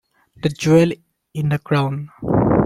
The jewel in the crown.